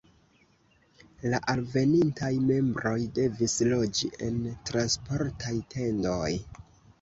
La alvenintaj membroj devis loĝi en transportaj tendoj.